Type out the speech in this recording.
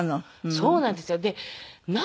そうなんですよ。